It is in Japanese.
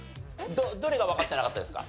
どれがわかってなかったですか？